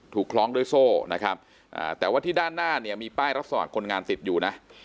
คล้องด้วยโซ่นะครับแต่ว่าที่ด้านหน้าเนี่ยมีป้ายรับสมัครคนงานติดอยู่นะ